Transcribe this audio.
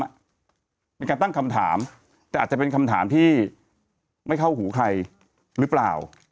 เป็นการตั้งคำถามแต่อาจจะเป็นคำถามที่ไม่เข้าหูใครหรือเปล่า